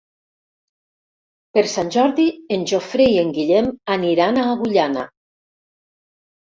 Per Sant Jordi en Jofre i en Guillem aniran a Agullana.